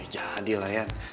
jahat di layak